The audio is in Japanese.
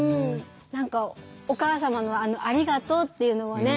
何かお母様のあの「ありがとう」っていうのがね